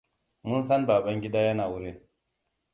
Mun san Babangida yana wurin.